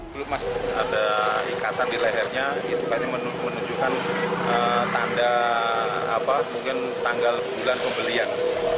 belum masih ada ikatan di lehernya itu tadi menunjukkan tanda mungkin tanggal bulan pembelian